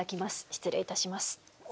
失礼いたします。